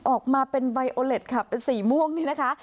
ออกมาเป็นไบโอเล็ตค่ะเป็นสีม่วงนี่นะคะ